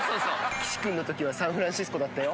岸君のときはサンフランシスコ。